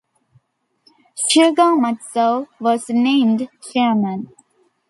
Shugo Matsuo was named chairman.